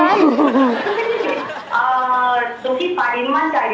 คุณพี่ฟาดินมั่นใจดีกว่าคุณว่าอย่างงั้น